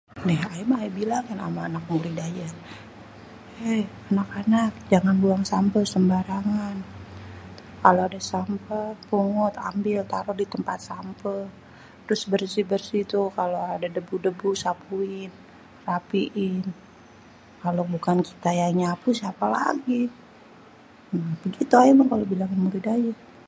"Neh ayé meh aye bilangin ame anak mude ayé, ""Hey anak anak jangan buang sampeh sembarangan kalo ade sampeh kumpulin pungut ambil taro di tempat sampeh terus bersih-bersih tuh kalo ade debu-debu sapuin rapiin kalo bukan kita yang nyapu sapeh lagi"". Begitu ayé meh kalo bilangin murid ayé."